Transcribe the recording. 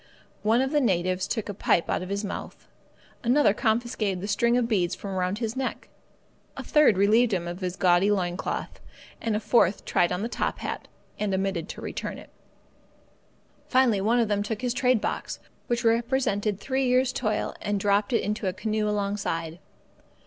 One of the natives took the pipe out of his mouth. Another confiscated the strings of beads from around his neck. A third relieved him of his gaudy loin cloth, and a fourth tried on the top hat and omitted to return it. Finally, one of them took his trade box, which represented three years' toil, and dropped it into a canoe alongside.